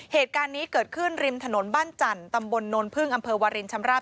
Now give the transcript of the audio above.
เหตุการณ์นี้เกิดขึ้นริมถนนบ้านจันทร์ตำบลโนนพึ่งอำเภอวารินชำราบ